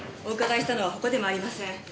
お伺いしたのは他でもありません。